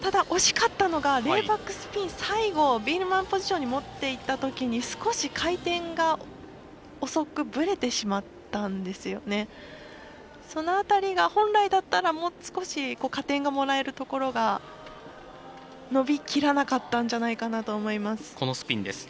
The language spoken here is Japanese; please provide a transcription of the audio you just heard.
惜しかったのがレイバックスピン最後ビールマンポジションに持っていったときに少し回転が遅くぶれてしまったのが本来だったらもう少し加点がもらえるところが伸びきらなかったんじゃないかと思います。